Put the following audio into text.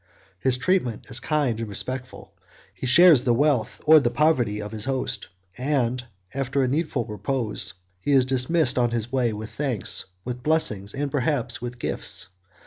His treatment is kind and respectful: he shares the wealth, or the poverty, of his host; and, after a needful repose, he is dismissed on his way, with thanks, with blessings, and perhaps with gifts.